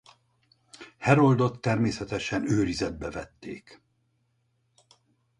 Heroldot természetesen őrizetbe vették.